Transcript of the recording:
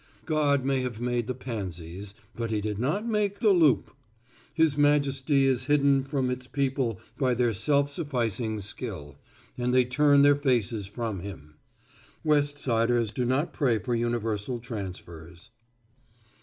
God may have made the pansies, but He did not make "the loop." His majesty is hidden from its people by their self sufficing skill, and they turn their faces from Him. West siders do not pray for universal transfers.